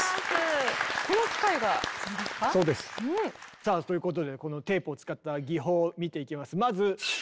さあということでこのテープを使った技法を見ていきます。